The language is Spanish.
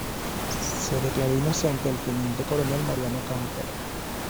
Se declaró inocente al Teniente Coronel Mariano Campero.